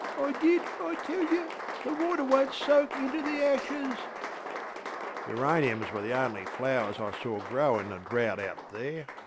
ŌĆÖ ŌĆśI did, I tell yerŌĆöthe water wonŌĆÖt soak inter the ashes. ŌĆÖ Geraniums were the only flowers I saw grow in the drought out there.